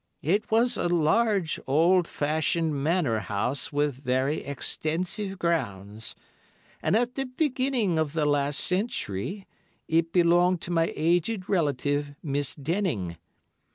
It was a large, old fashioned manor house with very extensive grounds, and at the beginning of the last century it belonged to my aged relative, Miss Denning.